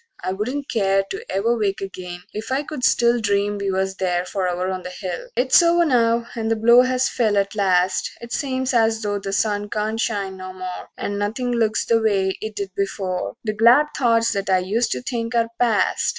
I wouldn't care To ever wake again if I could still Dream we was there forever on the hill. XXVII It's over now; the blow has fell at last; It seems as though the sun can't shine no more, And nothing looks the way it did before; The glad thoughts that I used to think are past.